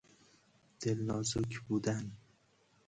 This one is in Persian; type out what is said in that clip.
دلنازک بودن